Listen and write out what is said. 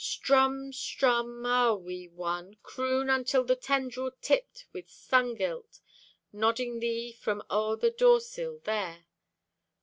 Strumm, strumm! Ah, wee one, Croon unto the tendrill tipped with sungilt, Nodding thee from o'er the doorsill there.